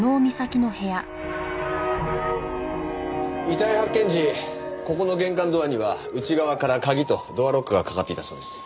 遺体発見時ここの玄関ドアには内側から鍵とドアロックがかかっていたそうです。